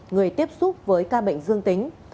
người tiếp xúc với ca bệnh dương tính